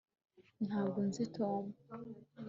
ntabwo nzi tom